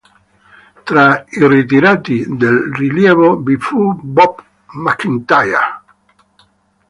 Tra i ritirati di rilievo vi fu Bob McIntyre.